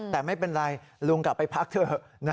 แต่ไม่เป็นไรลุงกลับไปพักเถอะ